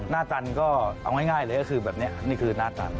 ตันก็เอาง่ายเลยก็คือแบบนี้นี่คือหน้าตัน